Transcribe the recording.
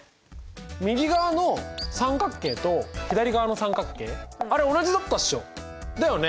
右側の三角形と左側の三角形あれ同じだったっしょ。だよね？